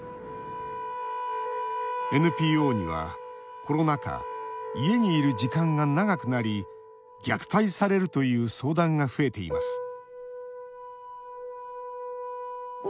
ＮＰＯにはコロナ禍家にいる時間が長くなり虐待されるという相談が増えています